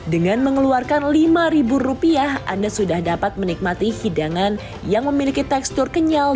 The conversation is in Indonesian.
dengan mengeluarkan lima ribu rupiah anda sudah dapat menikmati hidangan yang memiliki tekstur kenyal